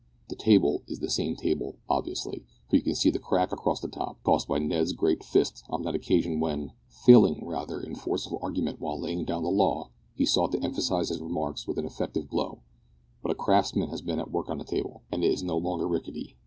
The table is the same table, obviously, for you can see the crack across the top caused by Ned's great fist on that occasion when, failing rather in force of argument while laying down the law, he sought to emphasise his remarks with an effective blow; but a craftsman has been at work on the table, and it is no longer rickety.